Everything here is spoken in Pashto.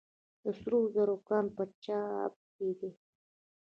د سرو زرو کان په چاه اب کې دی